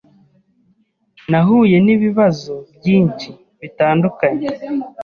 nahuye n’ibibazo byinshi bitandukanye